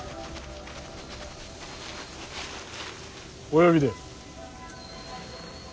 お呼びで。